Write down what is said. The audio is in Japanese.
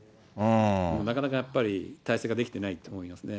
なかなかやっぱり体制が出来ていないと思いますね。